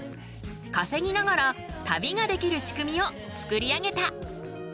かせぎながら旅ができる仕組みを作り上げた。